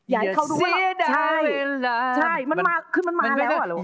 อย่าเสียดายเวลาใช่มันมาแล้วหรอ